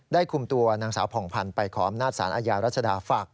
ได้คุมตัวนางสาวผ่องพันธุ์ไปขอบนาศาลอาญารัฐศดาภักดิ์